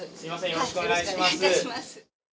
よろしくお願いします。